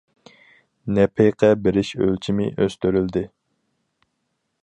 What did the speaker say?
نەپىقە بېرىش ئۆلچىمى ئۆستۈرۈلدى.